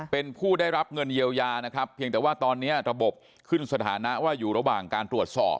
เป็นผู้ได้รับเงินเยียวยานะครับเพียงแต่ว่าตอนนี้ระบบขึ้นสถานะว่าอยู่ระหว่างการตรวจสอบ